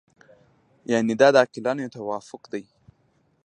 یعنې دا د عاقلانو یو توافق دی.